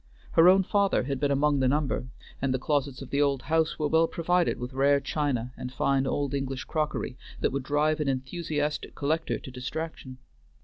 Her own father had been among the number, and the closets of the old house were well provided with rare china and fine old English crockery that would drive an enthusiastic collector to distraction.